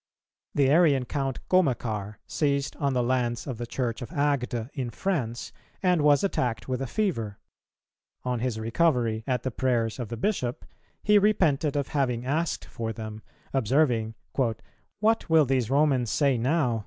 "[279:2] The Arian Count Gomachar, seized on the lands of the Church of Agde in France, and was attacked with a fever; on his recovery, at the prayers of the Bishop, he repented of having asked for them, observing, "What will these Romans say now?